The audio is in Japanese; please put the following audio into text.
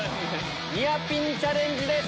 ニアピンチャレンジです。